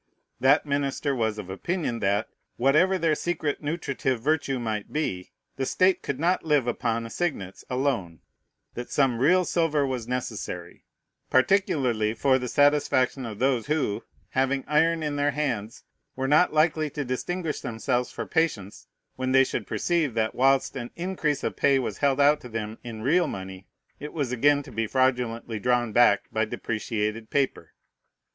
That minister was of opinion, that, whatever their secret nutritive virtue might be, the state could not live upon assignats alone, that some real silver was necessary, particularly for the satisfaction of those who, having iron in their hands, were not likely to distinguish themselves for patience, when they should perceive, that, whilst an increase of pay was held out to them in real money, it was again to be fraudulently drawn back by depreciated paper.